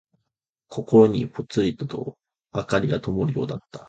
心にぽつりと灯がともるようだった。